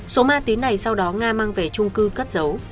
số ma túy này sau đó nga mang về trung cư cất giấu